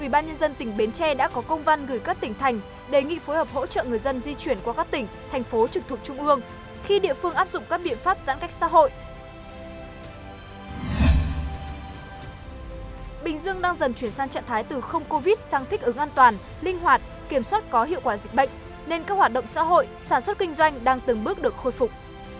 bình dương đang dần chuyển sang trạng thái từ không covid sang thích ứng an toàn linh hoạt kiểm soát có hiệu quả dịch bệnh nên các hoạt động xã hội sản xuất kinh doanh đang từng bước được khôi phục